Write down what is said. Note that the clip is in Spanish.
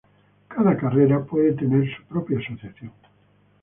Cada carrera puede tener su propia asociación.